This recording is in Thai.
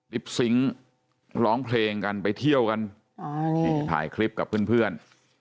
ซิงค์ร้องเพลงกันไปเที่ยวกันนี่ถ่ายคลิปกับเพื่อน